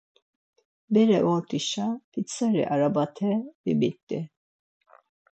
Bere vort̆işa pitsari arabete vibit̆i.